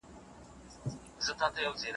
منګی به تخرګ ګودر له ځمه